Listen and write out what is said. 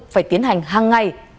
phải tiến hành hàng ngày